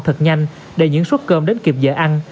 thật nhanh để những suất cơm đến kịp giờ ăn